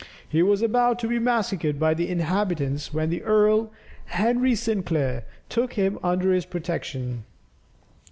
He was about to be massacred by the inhabitants, when the Earl, Henry Sinclair took him under his protection.